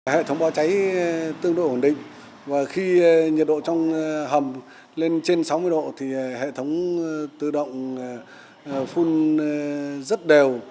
hệ thống báo cháy tương đối ổn định và khi nhiệt độ trong hầm lên trên sáu mươi độ thì hệ thống tự động phun rất đều